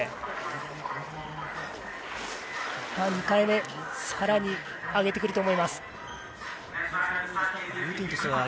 ２回目、更に上げてくると思います。